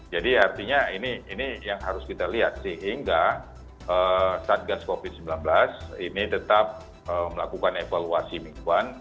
artinya ini yang harus kita lihat sehingga satgas covid sembilan belas ini tetap melakukan evaluasi mingguan